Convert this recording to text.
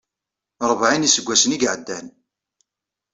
Ṛebɛin n iseggasen i iɛeddan.